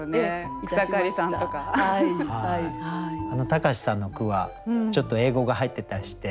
隆さんの句はちょっと英語が入ってたりして。